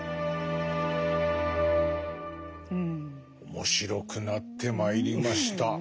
面白くなってまいりました。